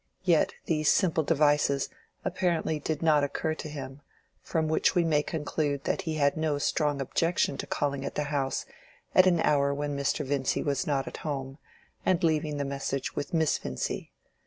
Yet these simple devices apparently did not occur to him, from which we may conclude that he had no strong objection to calling at the house at an hour when Mr. Vincy was not at home, and leaving the message with Miss Vincy.